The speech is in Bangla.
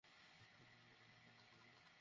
এই বয়সে তুমি এই ক্যান্ডিগুলো পছন্দ করতে।